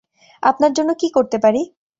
আপনার জন্য কি করতে পারি?